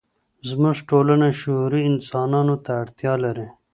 زموږ ټولنه شعوري انسانانو ته اړتيا لري.